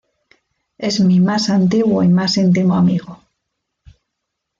Es mi más antiguo y más íntimo amigo.